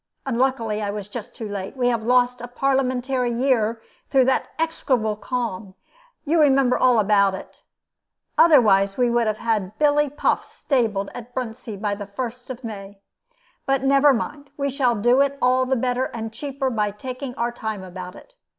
Unluckily I was just too late. We have lost a Parliamentary year through that execrable calm you remember all about it. Otherwise we would have had Billy Puff stabled at Bruntsea by the first of May. But never mind; we shall do it all the better and cheaper by taking our time about it.